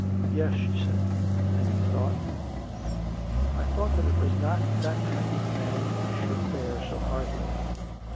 " Yes," she said. " And you thought ?"" I thought that it was not that kind of man who should fare so hardly.